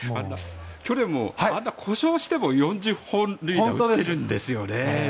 去年も、故障しても４０本塁打を打っているんですよね。